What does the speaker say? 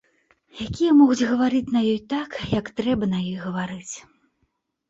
Якія могуць гаварыць на ёй так, як трэба на ёй гаварыць.